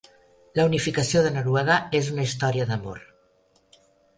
La unificació de Noruega és una història d'amor.